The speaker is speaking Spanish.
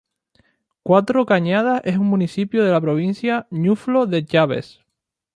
Cuatro Cañadas es un municipio de la provincia Ñuflo de Chávez.